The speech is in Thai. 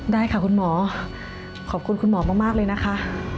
ได้ค่ะคุณหมอขอบคุณคุณหมอมากเลยนะคะ